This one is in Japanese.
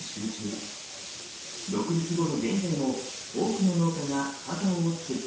独立後の現在も多くの農家がカカオを作っています。